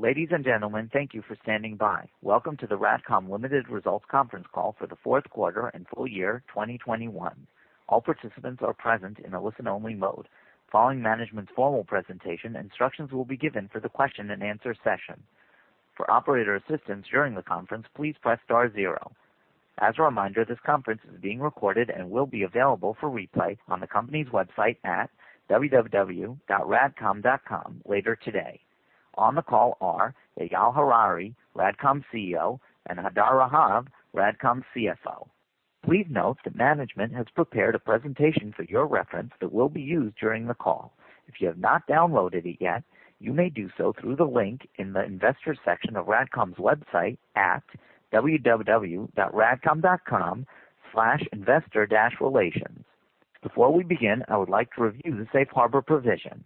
Ladies and gentlemen, thank you for standing by. Welcome to the RADCOM Ltd. Results Conference Call for the Q4 and full year 2021. All participants are present in a listen-only mode. Following management's formal presentation, instructions will be given for the question-and-answer session. For operator assistance during the conference, please press star zero. As a reminder, this conference is being recorded and will be available for replay on the company's website at www.radcom.com later today. On the call are Eyal Harari, RADCOM's CEO, and Hadar Rahav, RADCOM's CFO. Please note that management has prepared a presentation for your reference that will be used during the call. If you have not downloaded it yet, you may do so through the link in the investor section of RADCOM's website at www.radcom.com/investor-relations. Before we begin, I would like to review the safe harbor provision.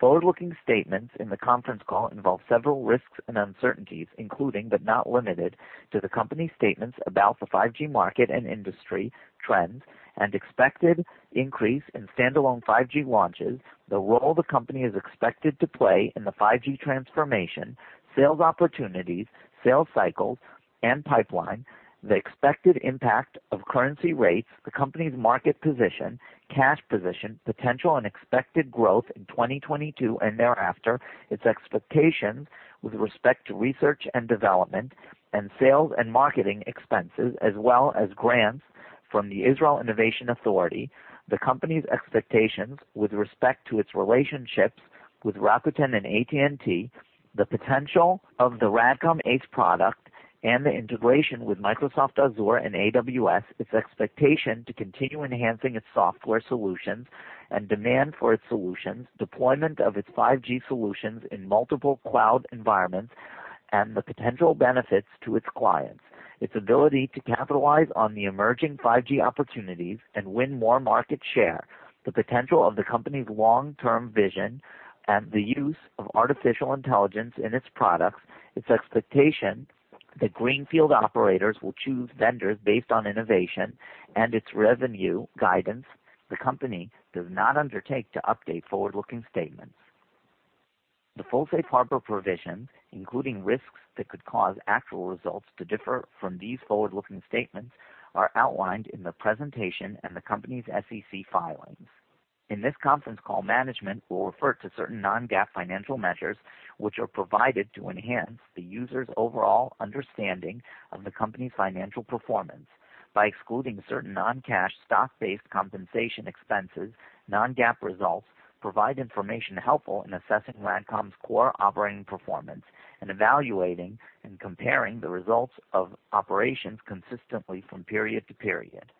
Forward-looking statements in the conference call involve several risks and uncertainties, including, but not limited to, the company's statements about the 5G market and industry trends and expected increase in standalone 5G launches, the role the company is expected to play in the 5G transformation, sales opportunities, sales cycles and pipeline, the expected impact of currency rates, the company's market position, cash position, potential and expected growth in 2022 and thereafter, its expectations with respect to research and development, and sales and marketing expenses, as well as grants from the Israel Innovation Authority. The company's expectations with respect to its relationships with Rakuten and AT&T, the potential of the RADCOM ACE product, and the integration with Microsoft Azure and AWS, its expectation to continue enhancing its software solutions and demand for its solutions, deployment of its 5G solutions in multiple cloud environments and the potential benefits to its clients, its ability to capitalize on the emerging 5G opportunities and win more market share, the potential of the company's long-term vision and the use of artificial intelligence in its products, its expectation that greenfield operators will choose vendors based on innovation and its revenue guidance. The company does not undertake to update forward-looking statements. The full safe harbor provision, including risks that could cause actual results to differ from these forward-looking statements, are outlined in the presentation and the company's SEC filings. In this conference call, management will refer to certain non-GAAP financial measures, which are provided to enhance the user's overall understanding of the company's financial performance. By excluding certain non-cash stock-based compensation expenses, non-GAAP results provide information helpful in assessing RADCOM's core operating performance and evaluating and comparing the results of operations consistently from period to period.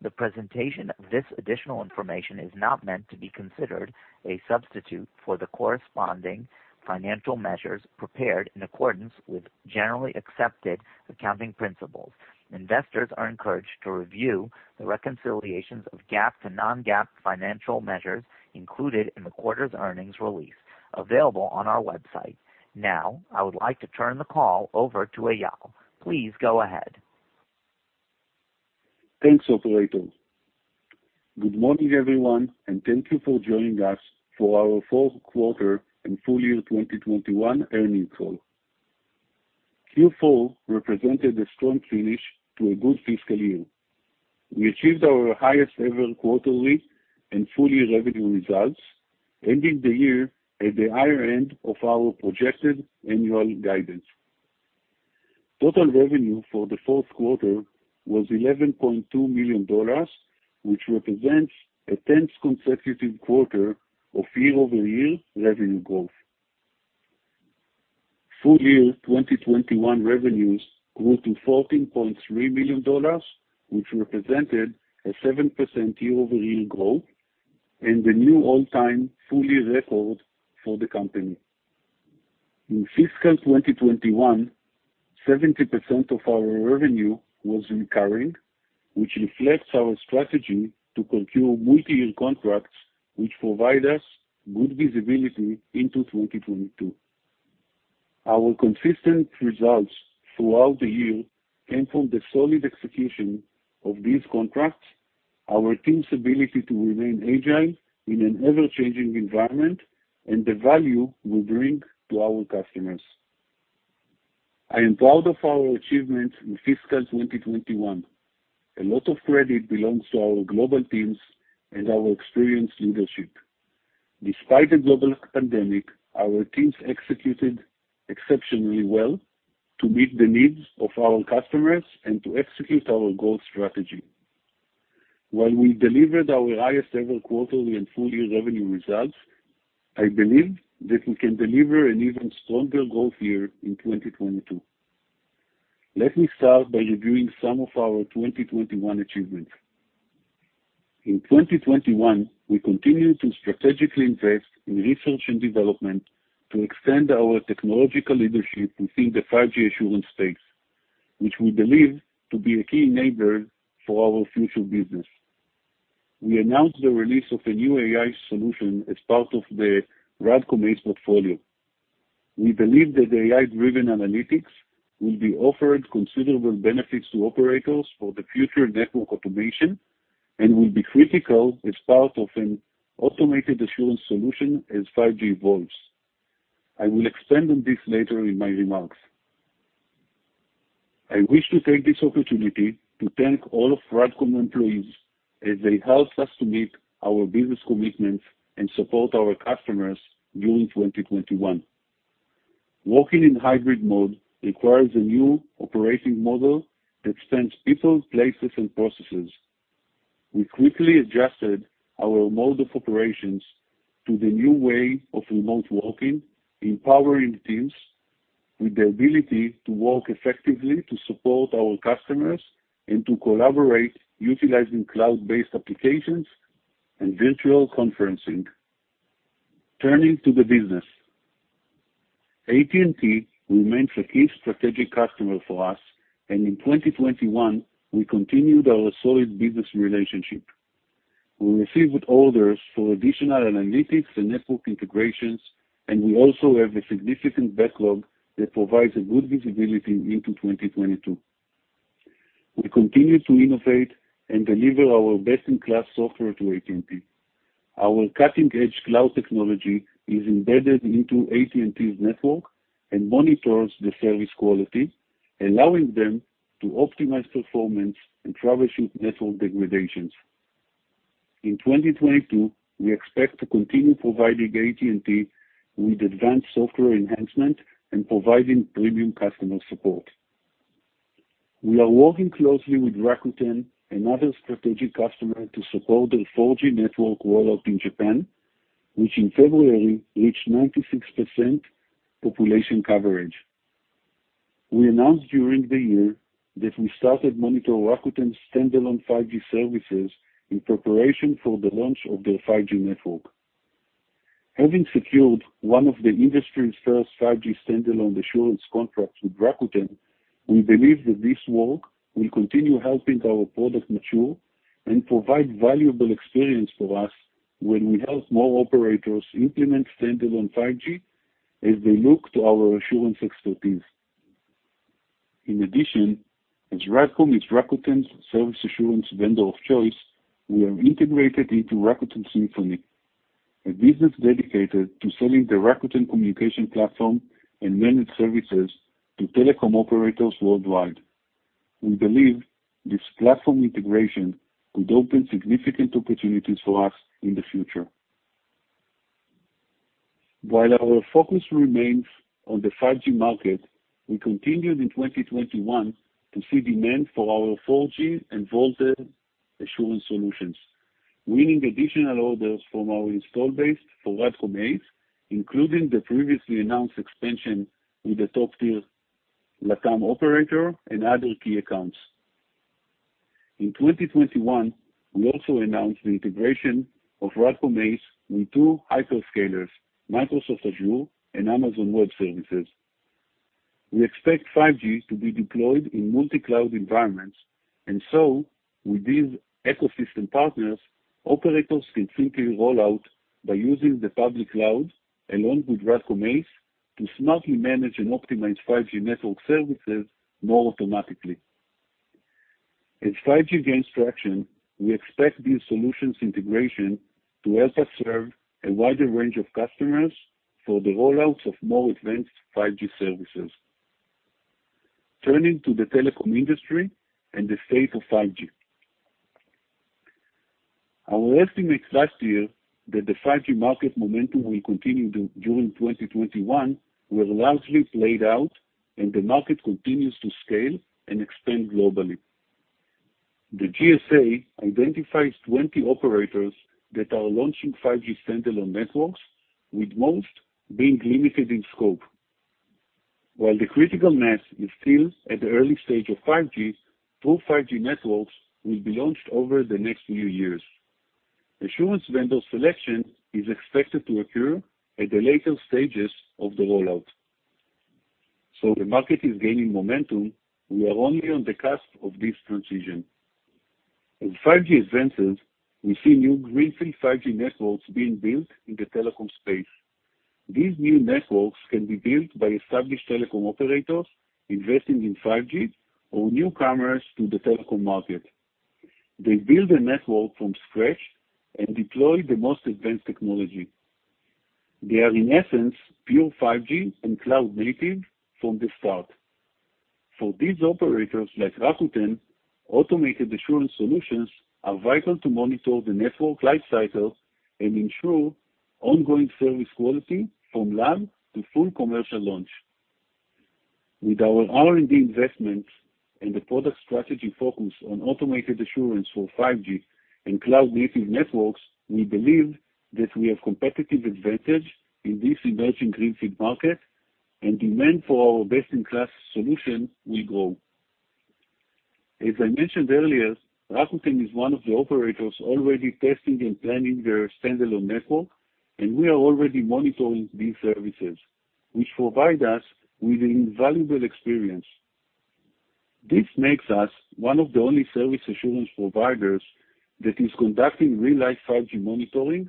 The presentation of this additional information is not meant to be considered a substitute for the corresponding financial measures prepared in accordance with generally accepted accounting principles. Investors are encouraged to review the reconciliations of GAAP to non-GAAP financial measures included in the quarter's earnings release available on our website. Now, I would like to turn the call over to Eyal. Please go ahead. Thanks, operator. Good morning, everyone, and thank you for joining us for our Q4 and full year 2021 earnings call. Q4 represented a strong finish to a good fiscal year. We achieved our highest ever quarterly and full-year revenue results, ending the year at the higher end of our projected annual guidance. Total revenue for the Q4 was $11.2 million, which represents a 10th consecutive quarter of year-over-year revenue growth. Full-year 2021 revenues grew to $40.3 million, which represented a 7% year-over-year growth and a new all-time full-year record for the company. In fiscal 2021, 70% of our revenue was recurring, which reflects our strategy to conclude multi-year contracts which provide us good visibility into 2022. Our consistent results throughout the year came from the solid execution of these contracts, our team's ability to remain agile in an ever-changing environment, and the value we bring to our customers. I am proud of our achievements in fiscal 2021. A lot of credit belongs to our global teams and our experienced leadership. Despite the global pandemic, our teams executed exceptionally well to meet the needs of our customers and to execute our growth strategy. While we delivered our highest ever quarterly and full-year revenue results, I believe that we can deliver an even stronger growth year in 2022. Let me start by reviewing some of our 2021 achievements. In 2021, we continued to strategically invest in research and development to extend our technological leadership within the 5G assurance space, which we believe to be a key enabler for our future business. We announced the release of a new AI solution as part of the RADCOM ACE portfolio. We believe that AI-driven analytics will be offering considerable benefits to operators for the future network automation and will be critical as part of an automated assurance solution as 5G evolves. I will expand on this later in my remarks. I wish to take this opportunity to thank all of RADCOM employees as they helped us to meet our business commitments and support our customers during 2021. Working in hybrid mode requires a new operating model that spans people, places, and processes. We quickly adjusted our mode of operations to the new way of remote working, empowering teams with the ability to work effectively to support our customers and to collaborate utilizing cloud-based applications and virtual conferencing. Turning to the business. AT&T remains a key strategic customer for us, and in 2021, we continued our solid business relationship. We received orders for additional analytics and network integrations, and we also have a significant backlog that provides a good visibility into 2022. We continue to innovate and deliver our best-in-class software to AT&T. Our cutting-edge cloud technology is embedded into AT&T's network and monitors the service quality, allowing them to optimize performance and troubleshoot network degradations. In 2022, we expect to continue providing AT&T with advanced software enhancement and providing premium customer support. We are working closely with Rakuten, another strategic customer, to support their 4G network rollout in Japan, which in February reached 96% population coverage. We announced during the year that we started monitoring Rakuten's standalone 5G services in preparation for the launch of their 5G network. Having secured one of the industry's first 5G standalone assurance contracts with Rakuten, we believe that this work will continue helping our product mature and provide valuable experience for us when we help more operators implement standalone 5G as they look to our assurance expertise. In addition, as RADCOM is Rakuten's service assurance vendor of choice, we have integrated into Rakuten Symphony, a business dedicated to selling the Rakuten communication platform and managed services to telecom operators worldwide. We believe this platform integration could open significant opportunities for us in the future. While our focus remains on the 5G market, we continued in 2021 to see demand for our 4G and VoLTE assurance solutions, winning additional orders from our installed base for RADCOM ACE, including the previously announced expansion with the top-tier LatAm operator and other key accounts. In 2021, we also announced the integration of RADCOM ACE with two hyperscalers, Microsoft Azure and Amazon Web Services. We expect 5G to be deployed in multi-cloud environments, and so with these ecosystem partners, operators can simply roll out by using the public cloud along with RADCOM ACE to smartly manage and optimize 5G network services more automatically. As 5G gains traction, we expect these solutions integration to help us serve a wider range of customers for the rollouts of more advanced 5G services. Turning to the telecom industry and the state of 5G. Our estimates last year that the 5G market momentum will continue during 2021 were largely played out, and the market continues to scale and expand globally. The GSA identifies 20 operators that are launching 5G standalone networks, with most being limited in scope. While the critical mass is still at the early stage of 5G, full 5G networks will be launched over the next few years. Assurance vendor selection is expected to occur at the later stages of the rollout. The market is gaining momentum. We are only on the cusp of this transition. As 5G advances, we see new greenfield 5G networks being built in the telecom space. These new networks can be built by established telecom operators investing in 5G or newcomers to the telecom market. They build a network from scratch and deploy the most advanced technology. They are, in essence, pure 5G and cloud-native from the start. For these operators, like Rakuten, automated assurance solutions are vital to monitor the network life cycle and ensure ongoing service quality from lab to full commercial launch. With our R&D investments and the product strategy focus on automated assurance for 5G and cloud-native networks, we believe that we have competitive advantage in this emerging greenfield market and demand for our best-in-class solution will grow. As I mentioned earlier, Rakuten is one of the operators already testing and planning their standalone network, and we are already monitoring these services, which provide us with an invaluable experience. This makes us one of the only service assurance providers that is conducting real-life 5G monitoring.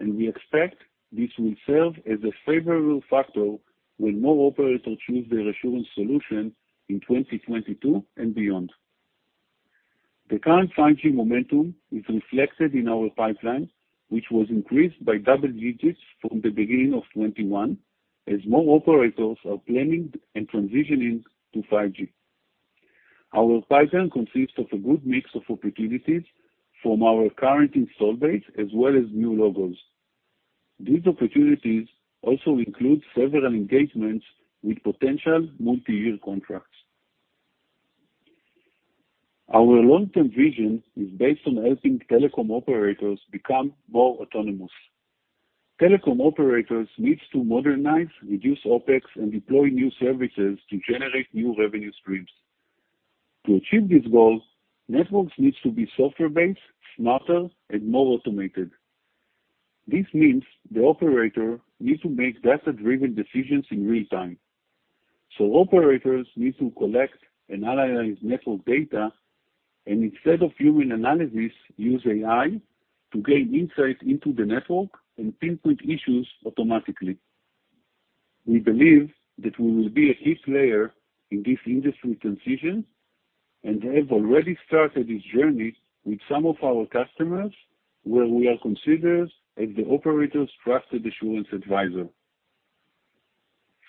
And we expect this will serve as a favorable factor when more operators choose their assurance solution in 2022 and beyond. The current 5G momentum is reflected in our pipeline, which was increased by double digits from the beginning of 2021, as more operators are planning and transitioning to 5G. Our pipeline consists of a good mix of opportunities from our current install base as well as new logos. These opportunities also include several engagements with potential multi-year contracts. Our long-term vision is based on helping telecom operators become more autonomous. Telecom operators needs to modernize, reduce OpEx, and deploy new services to generate new revenue streams. To achieve these goals, networks needs to be software-based, smarter, and more automated. This means the operator needs to make data-driven decisions in real time. Operators need to collect and analyze network data, and instead of human analysis, use AI to gain insight into the network and pinpoint issues automatically. We believe that we will be a key player in this industry transition and have already started this journey with some of our customers, where we are considered as the operator's trusted assurance advisor.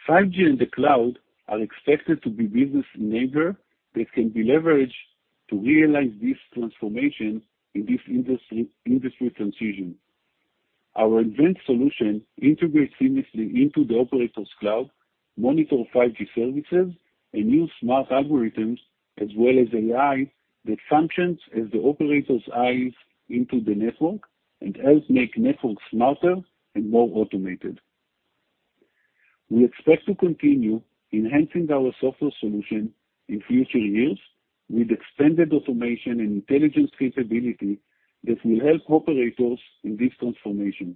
5G and the cloud are expected to be business enabler that can be leveraged to realize this transformation in this industry transition. Our advanced solution integrates seamlessly into the operator's cloud, monitor 5G services, and use smart algorithms as well as AI that functions as the operator's eyes into the network and helps make networks smarter and more automated. We expect to continue enhancing our software solution in future years with extended automation and intelligence capability that will help operators in this transformation.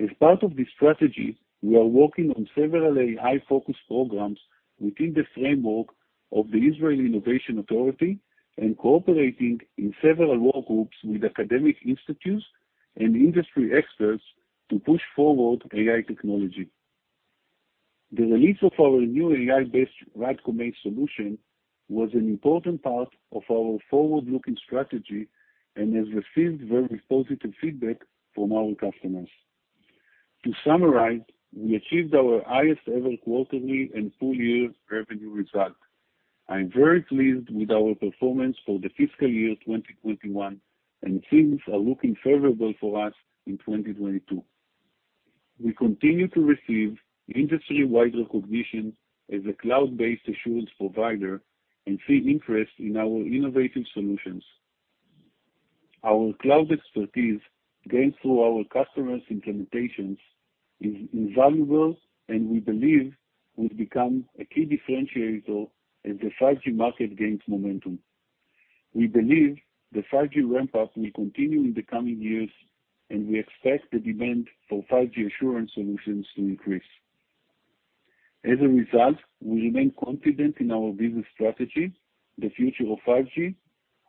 As part of this strategy, we are working on several AI-focused programs within the framework of the Israel Innovation Authority and cooperating in several work groups with academic institutes and industry experts to push forward AI technology. The release of our new AI-based RADCOM AIM solution was an important part of our forward-looking strategy and has received very positive feedback from our customers. To summarize, we achieved our highest ever quarterly and full-year revenue result. I am very pleased with our performance for the fiscal year 2021, and things are looking favorable for us in 2022. We continue to receive industry-wide recognition as a cloud-based assurance provider and see interest in our innovative solutions. Our cloud expertise gained through our customers' implementations is invaluable and we believe will become a key differentiator as the 5G market gains momentum. We believe the 5G ramp-up will continue in the coming years, and we expect the demand for 5G assurance solutions to increase. As a result, we remain confident in our business strategy, the future of 5G,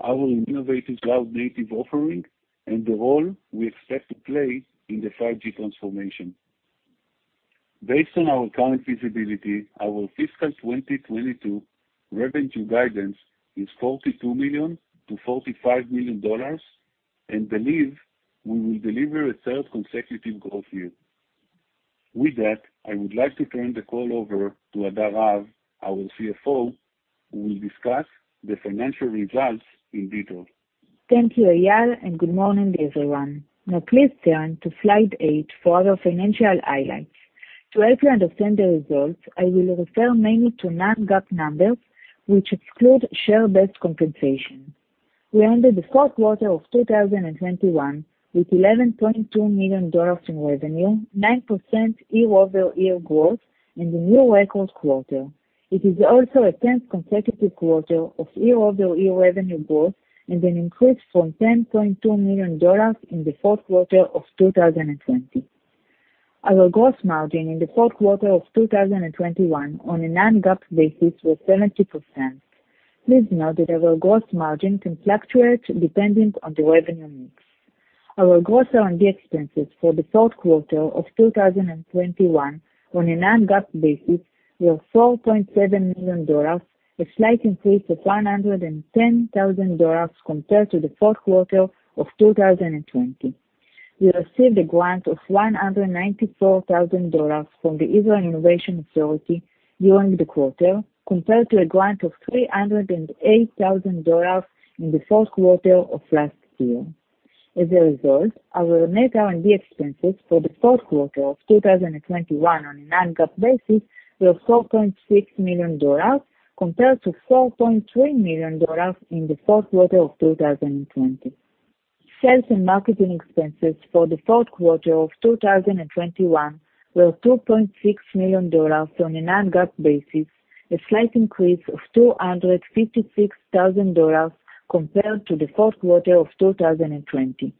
our innovative cloud-native offering, and the role we expect to play in the 5G transformation. Based on our current visibility, our fiscal 2022 revenue guidance is $42 million-$45 million and we believe we will deliver a third consecutive growth year. With that, I would like to turn the call over to Hadar Rahav, our CFO, who will discuss the financial results in detail. Thank you, Eyal, and good morning, everyone. Now please turn to slide eight for our financial highlights. To help you understand the results, I will refer mainly to non-GAAP numbers, which exclude share-based compensation. We ended the Q4 of 2021 with $11.2 million in revenue, 9% year-over-year growth and a new record quarter. It is also a 10th consecutive quarter of year-over-year revenue growth and an increase from $10.2 million in the Q4 of 2020. Our gross margin in the Q4 of 2021 on a non-GAAP basis was 70%. Please note that our gross margin can fluctuate depending on the revenue mix. Our gross R&D expenses for the Q4 of 2021 on a non-GAAP basis were $4.7 million, a slight increase of $110,000 compared to the Q4 of 2020. We received a grant of $194,000 from the Israel Innovation Authority during the quarter, compared to a grant of $308,000 in the Q4 of last year. As a result, our net R&D expenses for the Q4 of 2021 on a non-GAAP basis were $4.6 million, compared to $4.3 million in the Q4 of 2020. Sales and marketing expenses for the Q4 of 2021 were $2.6 million on a non-GAAP basis, a slight increase of $256,000 compared to the Q4 of 2020.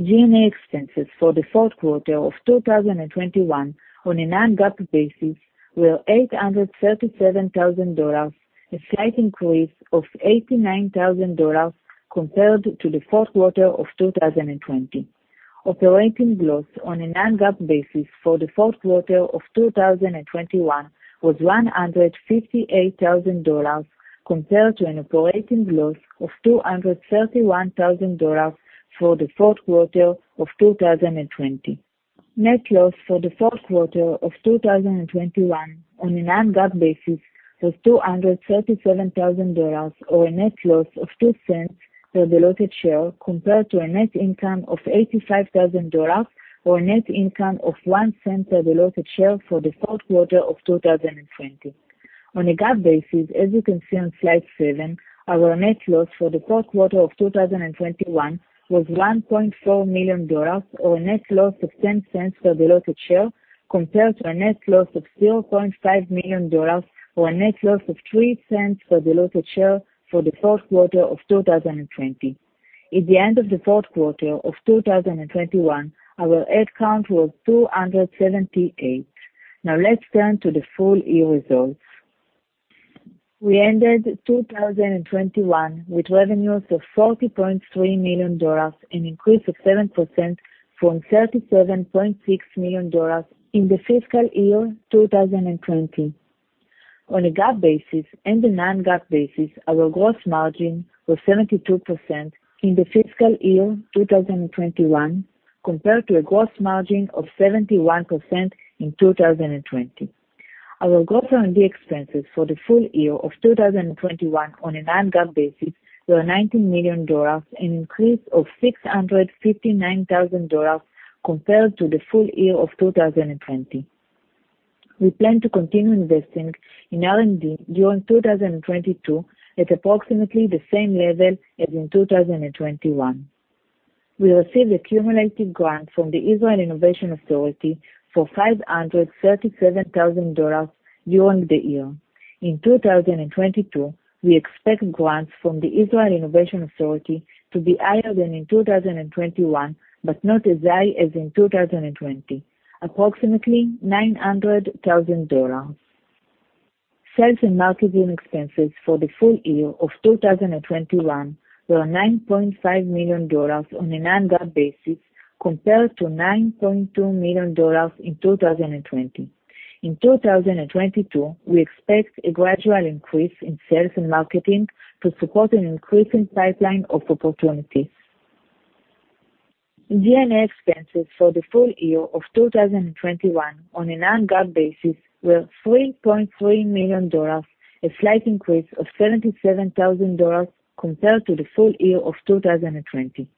G&A expenses for the Q4 of 2021 on a non-GAAP basis were $837,000, a slight increase of $89,000 compared to the Q4 of 2020. Operating loss on a non-GAAP basis for the Q4 of 2021 was $158,000 compared to an operating loss of $231,000 for the Q4 of 2020. Net loss for the Q4 of 2021 on a non-GAAP basis was $237,000, or a net loss of $0.02 per diluted share compared to a net income of $85,000 or a net income of $0.01 per diluted share for the Q4 of 2020. On a GAAP basis, as you can see on slide seven, our net loss for the Q4 of 2021 was $1.4 million, or a net loss of $0.10 per diluted share, compared to a net loss of $0.5 million or a net loss of $0.03 per diluted share for the Q4 of 2020. At the end of the Q4 of 2021, our head count was 278. Now let's turn to the full year results. We ended 2021 with revenues of $40.3 million, an increase of 7% from $37.6 million in the fiscal year 2020. On a GAAP basis and a non-GAAP basis, our gross margin was 72% in the fiscal year 2021, compared to a gross margin of 71% in 2020. Our gross R&D expenses for the full year of 2021 on a non-GAAP basis were $19 million, an increase of $659 thousand compared to the full year of 2020. We plan to continue investing in R&D during 2022 at approximately the same level as in 2021. We received a cumulative grant from the Israel Innovation Authority for $537,000 during the year. In 2022, we expect grants from the Israel Innovation Authority to be higher than in 2021, but not as high as in 2020, approximately $900,000. Sales and marketing expenses for the full year of 2021 were $9.5 million on a non-GAAP basis, compared to $9.2 million in 2020. In 2022, we expect a gradual increase in sales and marketing to support an increasing pipeline of opportunities. G&A expenses for the full year of 2021 on a non-GAAP basis were $3.3 million, a slight increase of $77,000 compared to the full year of 2020.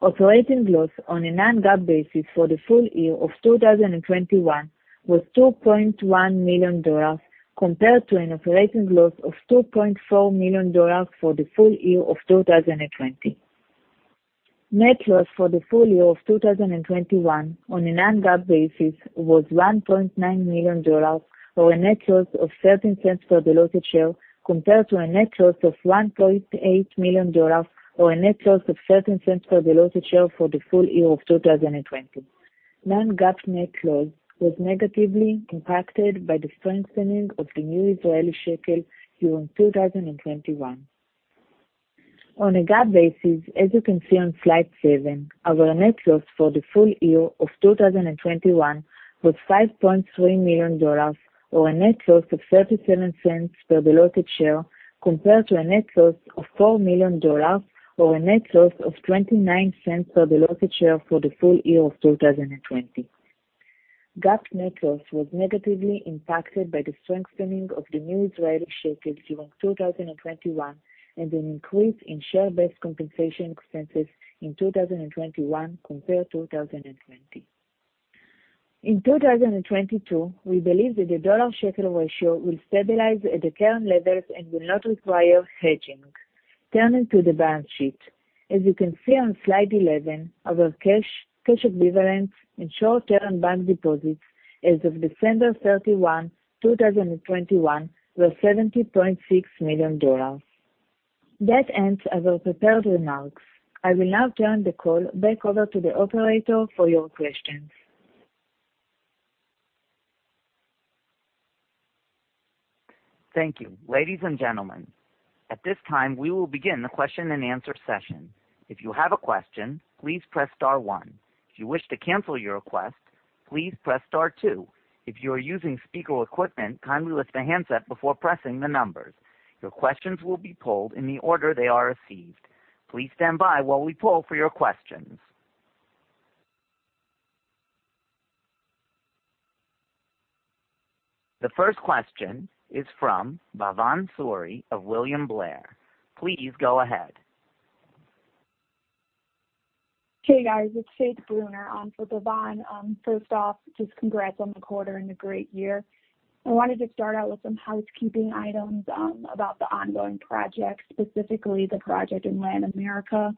Operating loss on a non-GAAP basis for the full year of 2021 was $2.1 million, compared to an operating loss of $2.4 million for the full year of 2020. Net loss for the full year of 2021 on a non-GAAP basis was $1.9 million, or a net loss of $0.13 per diluted share, compared to a net loss of $1.8 million or a net loss of $0.13 per diluted share for the full year of 2020. Non-GAAP net loss was negatively impacted by the strengthening of the new Israeli shekel during 2021. On a GAAP basis, as you can see on slide seven, our net loss for the full year of 2021 was $5.3 million or a net loss of $0.37 per diluted share, compared to a net loss of $4 million or a net loss of $0.29 per diluted share for the full year of 2020. GAAP net loss was negatively impacted by the strengthening of the new Israeli shekel during 2021 and an increase in share-based compensation expenses in 2021 compared to 2020. In 2022, we believe that the dollar-shekel ratio will stabilize at the current levels and will not require hedging. Turning to the balance sheet. As you can see on slide 11, our cash equivalents, and short-term bank deposits as of December 31, 2021 were $70.6 million. That ends our prepared remarks. I will now turn the call back over to the operator for your questions. Thank you. Ladies and gentlemen, at this time, we will begin the question-and-answer session. If you have a question, please press star one. If you wish to cancel your request, please press star two. If you are using speaker equipment, kindly lift the handset before pressing the numbers. Your questions will be pulled in the order they are received. Please stand by while we pull for your questions. The first question is from Bhavan Suri of William Blair. Please go ahead. Hey, guys. It's Faith Brunner on for Bhavan. First off, just congrats on the quarter and a great year. I wanted to start out with some housekeeping items about the ongoing project, specifically the project in Latin America.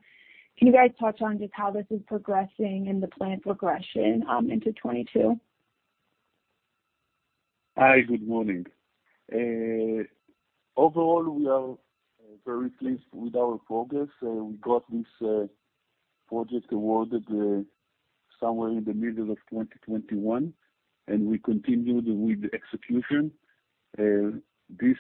Can you guys touch on just how this is progressing and the planned progression into 2022? Hi, good morning. Overall, we are very pleased with our progress. We got this project awarded somewhere in the middle of 2021, and we continued with the execution. This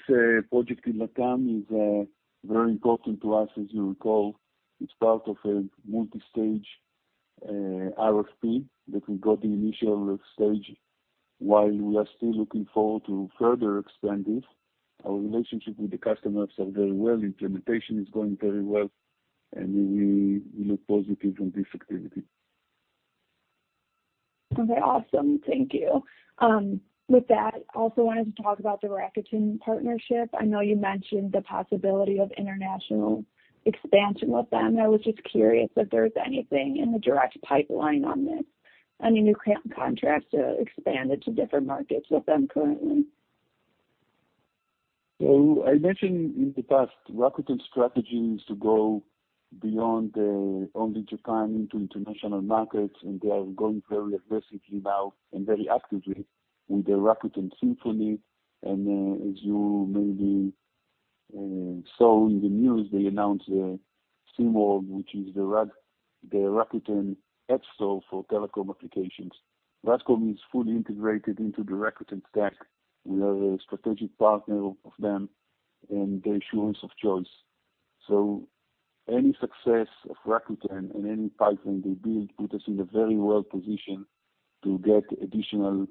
project in LATAM is very important to us, as you recall. It's part of a multi-stage RFP that we got the initial stage. While we are still looking forward to further expand this, our relationship with the customers are very well. Implementation is going very well, and we look positive from this activity. Okay, awesome. Thank you. With that, also wanted to talk about the Rakuten partnership. I know you mentioned the possibility of international expansion with them. I was just curious if there's anything in the direct pipeline on this. Any new contracts, expanded to different markets with them currently? I mentioned in the past, Rakuten strategy is to go beyond only Japan into international markets, and they are going very aggressively now and very actively with the Rakuten Symphony. As you maybe saw in the news, they announced Symworld, which is the Rakuten app store for telecom applications. RADCOM is fully integrated into the Rakuten stack. We are a strategic partner of them and the assurance of choice. Any success of Rakuten and any pipeline they build put us in a very well position to get additional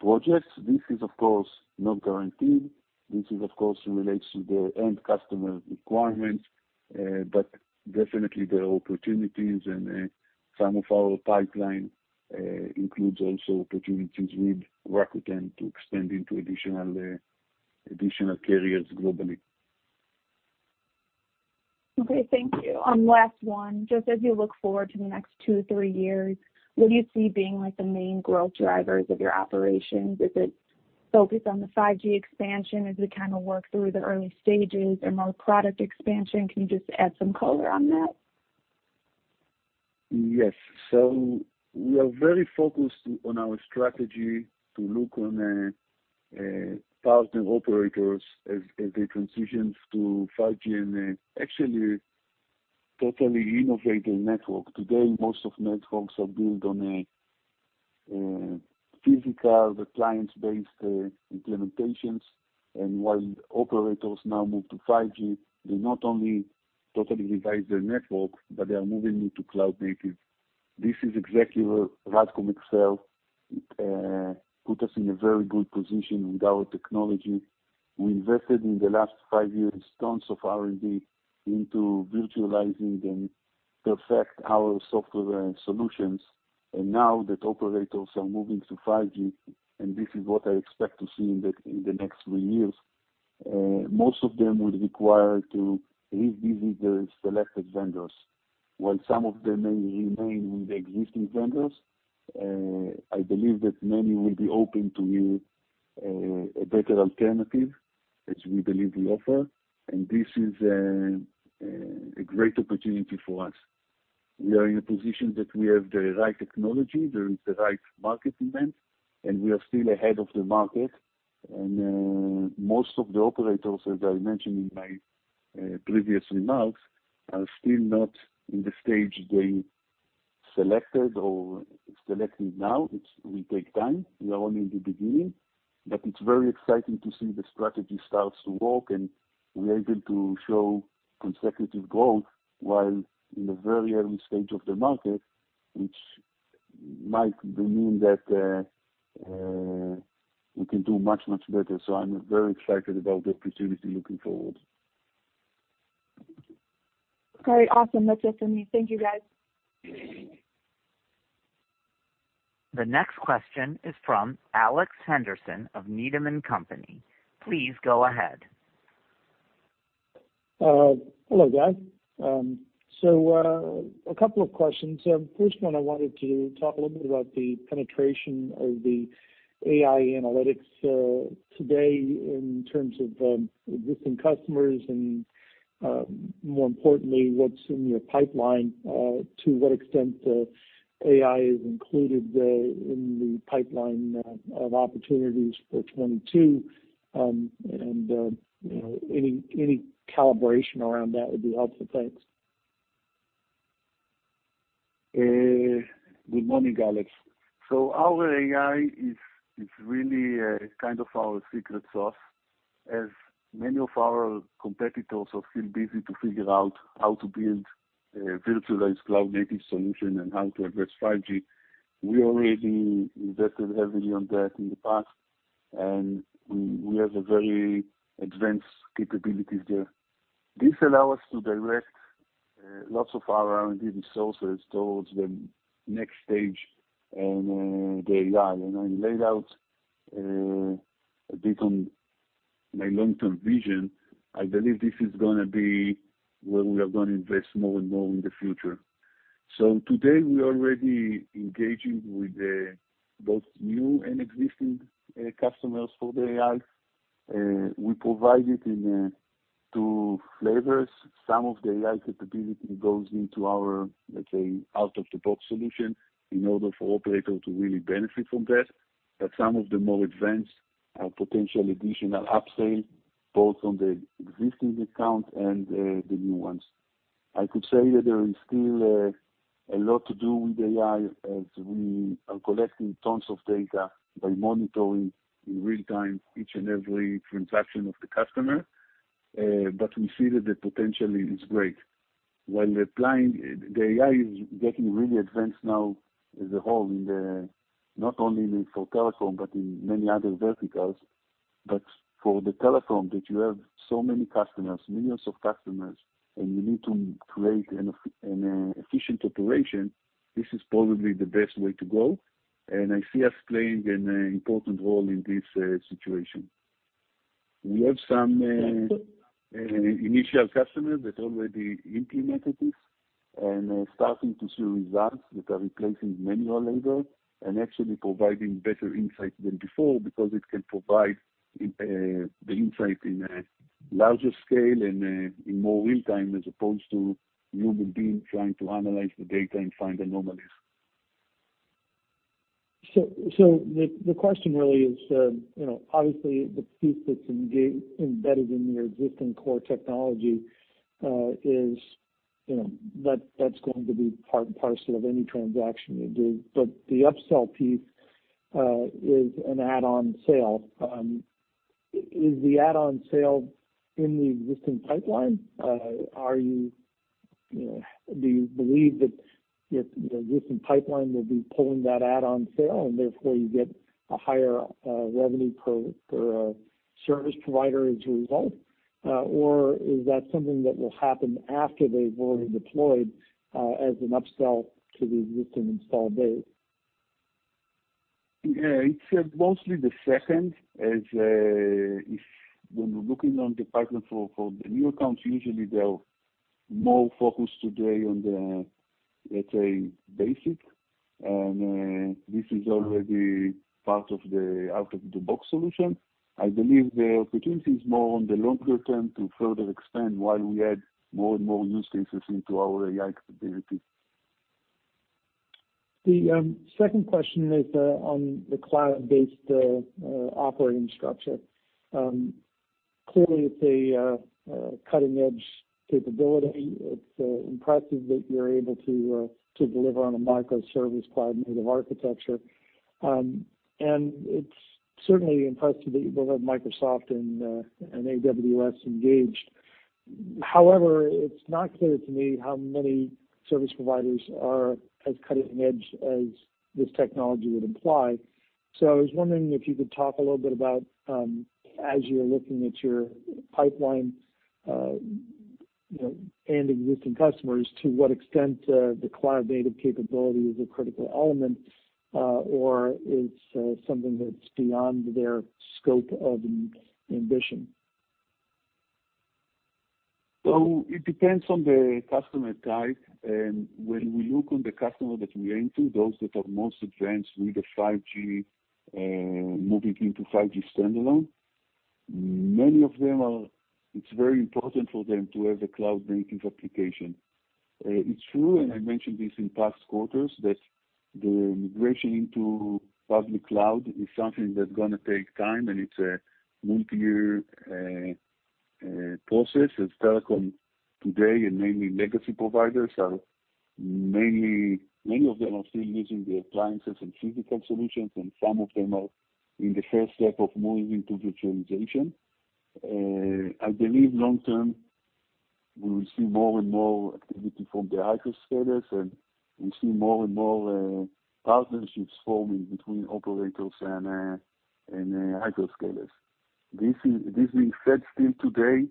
projects. This is of course not guaranteed. This is of course relates to the end customer requirements, but definitely there are opportunities, and some of our pipeline includes also opportunities with Rakuten to expand into additional carriers globally. Okay, thank you. Last one. Just as you look forward to the next two-three years, what do you see being like the main growth drivers of your operations? Is it focused on the 5G expansion as we kinda work through the early stages or more product expansion? Can you just add some color on that? Yes. We are very focused on our strategy to look on partner operators as they transition to 5G and actually totally innovate their network. Today, most of networks are built on a physical appliance-based implementations, and while operators now move to 5G, they not only totally revise their network, but they are moving into cloud-native. This is exactly where RADCOM excels, puts us in a very good position with our technology. We invested in the last five years tons of R&D into virtualizing and perfecting our software solutions. Now that operators are moving to 5G, and this is what I expect to see in the next three years, most of them will require to revisit their selected vendors. While some of them may remain with existing vendors, I believe that many will be open to use a better alternative, which we believe we offer, and this is a great opportunity for us. We are in a position that we have the right technology, there is the right market demand, and we are still ahead of the market. Most of the operators, as I mentioned in my previous remarks, are still not in the stage they selected or selecting now. It will take time. We are only in the beginning. It's very exciting to see the strategy starts to work, and we are able to show consecutive growth while in a very early stage of the market, which might mean that we can do much, much better. I'm very excited about the opportunity looking forward. Great. Awesome. That's it for me. Thank you, guys. The next question is from Alex Henderson of Needham & Company. Please go ahead. Hello, guys. A couple of questions. First one, I wanted to talk a little bit about the penetration of the AI analytics today in terms of existing customers and, more importantly, what's in your pipeline, to what extent AI is included in the pipeline of opportunities for 2022, and you know, any calibration around that would be helpful. Thanks. Good morning, Alex. Our AI is really kind of our secret sauce, as many of our competitors are still busy to figure out how to build a virtualized cloud-native solution and how to address 5G. We already invested heavily on that in the past, and we have a very advanced capabilities there. This allow us to direct lots of our R&D resources towards the next stage on the AI. You know, I laid out a bit on my long-term vision. I believe this is gonna be where we are gonna invest more and more in the future. Today, we are already engaging with both new and existing customers for the AI. We provide it in two flavors. Some of the AI capability goes into our, let's say, out-of-the-box solution in order for operators to really benefit from that. Some of the more advanced potential additional upsell, both on the existing account and the new ones. I could say that there is still a lot to do with AI as we are collecting tons of data by monitoring in real time each and every transaction of the customer. We see that the potential is great. When applying, the AI is getting really advanced now as a whole, not only in telecom, but in many other verticals. For the telecom that you have so many customers, millions of customers, and you need to create an efficient operation, this is probably the best way to go, and I see us playing an important role in this situation. We have some initial customers that already implemented this and are starting to see results that are replacing manual labor and actually providing better insights than before because it can provide the insight in a larger scale and in more real time, as opposed to human beings trying to analyze the data and find anomalies. The question really is, you know, obviously the piece that's embedded in your existing core technology, is, you know, that's going to be part and parcel of any transaction you do. The upsell piece is an add-on sale. Is the add-on sale in the existing pipeline? Are you know, do you believe that the existing pipeline will be pulling that add-on sale, and therefore you get a higher revenue per service provider as a result? Is that something that will happen after they've already deployed, as an upsell to the existing installed base? Yeah. It's mostly the second, as if when we're looking on the pipeline for the new accounts, usually they're more focused today on the, let's say, basic. This is already part of the out-of-the-box solution. I believe the opportunity is more on the longer term to further expand while we add more and more use cases into our AI capability. The second question is on the cloud-based operating structure. Clearly it's a cutting-edge capability. It's impressive that you're able to deliver on a microservice cloud-native architecture. It's certainly impressive that you both have Microsoft and AWS engaged. However, it's not clear to me how many service providers are as cutting-edge as this technology would imply. I was wondering if you could talk a little bit about, as you're looking at your pipeline, you know, and existing customers, to what extent the cloud-native capability is a critical element or it's something that's beyond their scope of ambition. It depends on the customer type, and when we look on the customer that we enter, those that are most advanced with the 5G, moving into 5G standalone, many of them are, it's very important for them to have a cloud-native application. It's true, and I mentioned this in past quarters, that the migration into public cloud is something that's gonna take time, and it's a multi-year process, as telecom today, and mainly legacy providers, are mainly, many of them are still using the appliances and physical solutions, and some of them are in the first step of moving to virtualization. I believe long term, we will see more and more activity from the hyperscalers, and we see more and more partnerships forming between operators and hyperscalers. That being said, still today,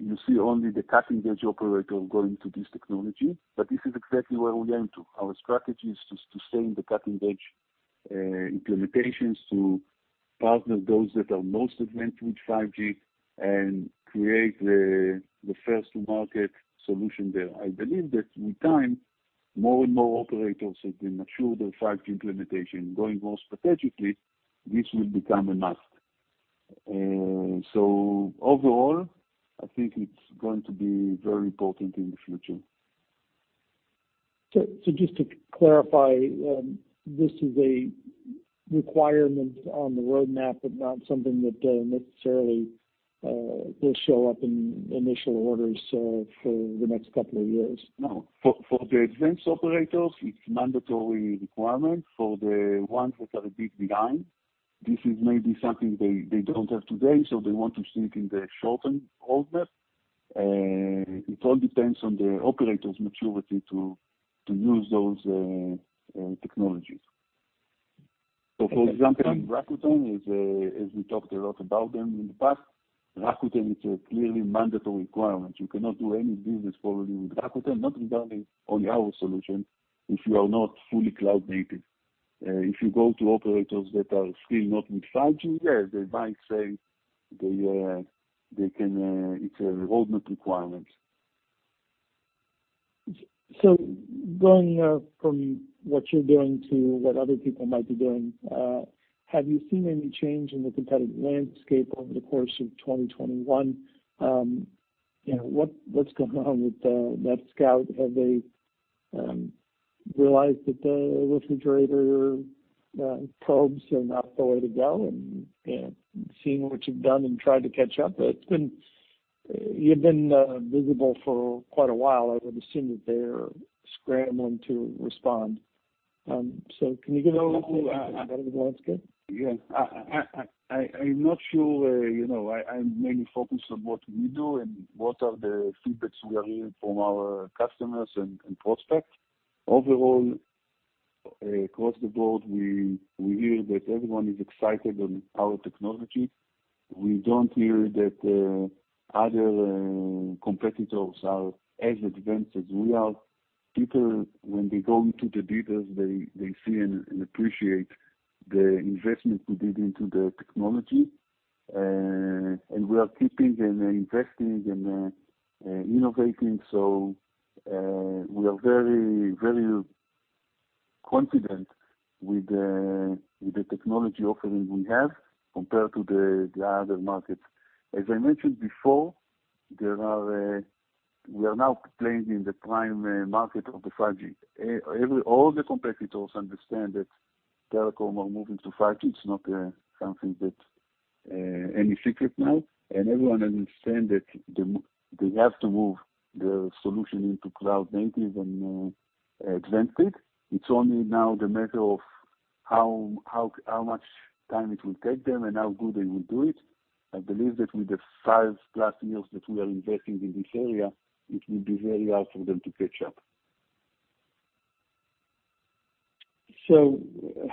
you see only the cutting-edge operator going to this technology, but this is exactly where we aim to. Our strategy is to stay in the cutting edge implementations, to partner those that are most advanced with 5G and create the first-to-market solution there. I believe that with time, more and more operators have been assured of 5G implementation. Going more strategically, this will become a must. Overall, I think it's going to be very important in the future. Just to clarify, this is a requirement on the roadmap, but not something that necessarily will show up in initial orders for the next couple of years. No. For the advanced operators, it's mandatory requirement. For the ones that are a bit behind, this is maybe something they don't have today, so they want to stick in the short term order. It all depends on the operator's maturity to use those technologies. For example, Rakuten is, as we talked a lot about them in the past, Rakuten is a clearly mandatory requirement. You cannot do any business probably with Rakuten, not regarding only our solution, if you are not fully cloud-native. If you go to operators that are still not with 5G, yes, they might say they can, it's a roadmap requirement. Going from what you're doing to what other people might be doing, have you seen any change in the competitive landscape over the course of 2021? You know, what's going on with NETSCOUT? Have they realized that the refrigerator probes are not the way to go, and you know, seeing what you've done and tried to catch up. You've been visible for quite a while. I would assume that they're scrambling to respond. Can you give a little landscape? Yeah. I am not sure, you know, I'm mainly focused on what we do and what are the feedbacks we are hearing from our customers and prospects. Overall, across the board, we hear that everyone is excited on our technology. We don't hear that other competitors are as advanced as we are. People, when they go into the details, they see and appreciate the investment we did into the technology. And we are keeping and investing and innovating, so we are very confident with the technology offering we have compared to the other markets. As I mentioned before, we are now playing in the prime market of the 5G. Every, all the competitors understand that telecom are moving to 5G. It's no secret now, and everyone understand that they have to move the solution into cloud-native and advanced it. It's only a matter of how much time it will take them and how good they will do it. I believe that with the size, scale that we are investing in this area, it will be very hard for them to catch up.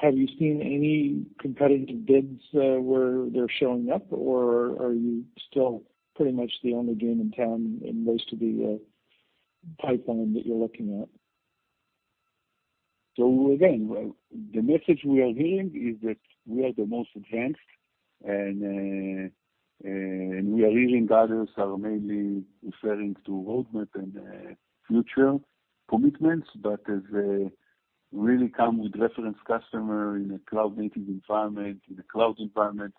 Have you seen any competitive bids, where they're showing up, or are you still pretty much the only game in town in most of the pipeline that you're looking at? Again, the message we are hearing is that we are the most advanced, and we are hearing others are mainly referring to roadmap and future commitments, but as they really come with reference customer in a cloud-native environment, in the cloud environment,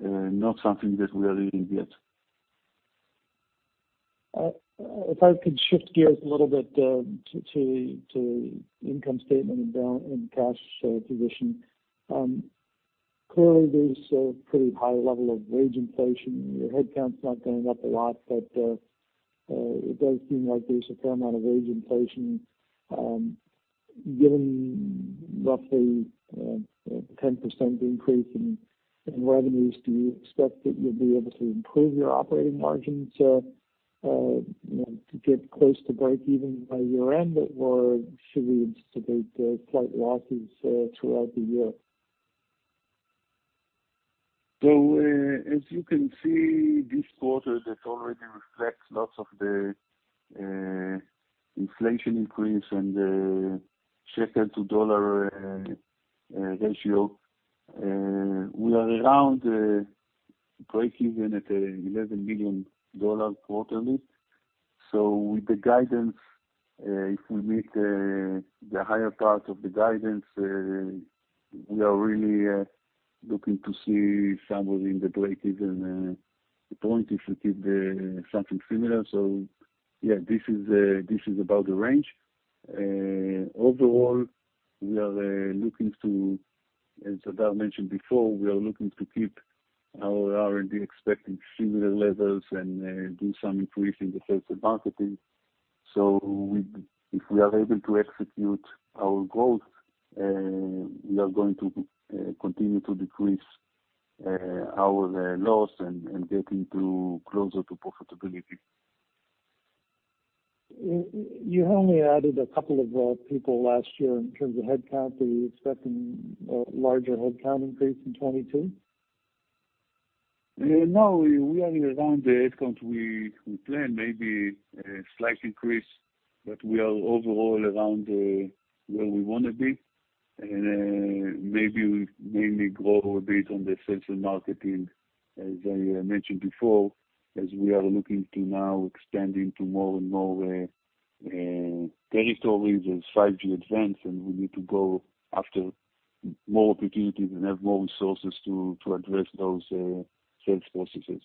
not something that we are hearing yet. If I could shift gears a little bit, to income statement and balance sheet and cash position. Currently there's a pretty high level of wage inflation. Your headcount's not going up a lot, but it does seem like there's a fair amount of wage inflation. Given roughly 10% increase in revenues, do you expect that you'll be able to improve your operating margins, you know, to get close to breakeven by year-end, or should we anticipate slight losses throughout the year? As you can see, this quarter that already reflects lots of the inflation increase and the shekel to dollar ratio, we are around breakeven at $11 million quarterly. With the guidance, if we meet the higher part of the guidance, we are really looking to see somewhere in the breakeven point if we keep something similar. Yeah, this is about the range. Overall, we are looking to, as Hadar Rahav mentioned before, we are looking to keep our R&D expense in similar levels and do some increase in the sales and marketing. If we are able to execute our growth, we are going to continue to decrease our loss and get closer to profitability. You only added a couple of people last year in terms of headcount. Are you expecting a larger headcount increase in 2022? No. We are around the headcount we planned, maybe a slight increase, but we are overall around where we wanna be. Maybe we mainly grow a bit on the sales and marketing, as I mentioned before, as we are looking to now extending to more and more territories as 5G advance, and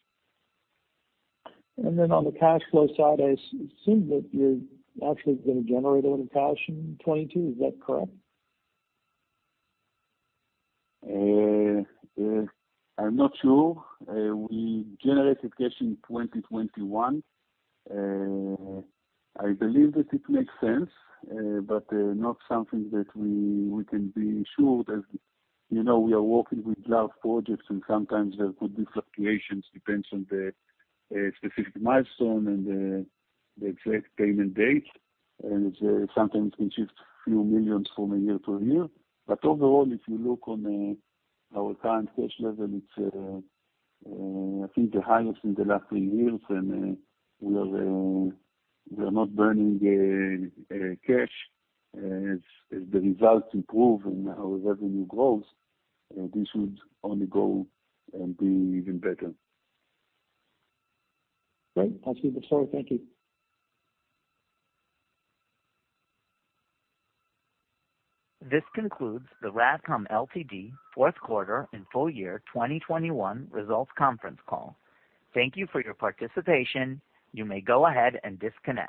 we need to go after more opportunities and have more resources to address those sales processes. On the cash flow side, I assume that you're actually gonna generate a lot of cash in 2022. Is that correct? I'm not sure. We generated cash in 2021. I believe that it makes sense, but not something that we can be sure that. You know, we are working with large projects, and sometimes there could be fluctuations, depends on the specific milestone and the exact payment date, and sometimes can shift a few million from a year to a year. Overall, if you look on our current cash level, it's I think the highest in the last three years, and we are not burning cash. As the results improve and our revenue grows, this would only go and be even better. Great. That's good to hear. Thank you. This concludes the RADCOM Ltd. Q4 and full year 2021 results conference call. Thank you for your participation. You may go ahead and disconnect.